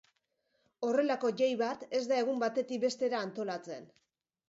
Horrelako jai bat ez da egun batetik bestera antolatzen.